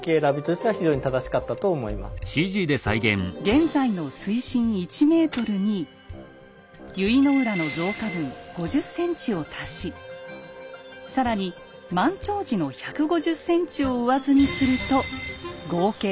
現在の水深１ｍに由比浦の増加分５０ｃｍを足し更に満潮時の１５０ｃｍを上積みすると合計３ｍ。